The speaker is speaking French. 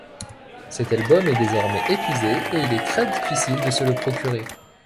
Cet album est désormais épuisé et il est très difficile de se le procurer.